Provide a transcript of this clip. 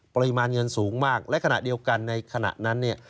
ปริมาณเงินสูงมากและขณะเดียวกันในขณะนั้นเนี่ย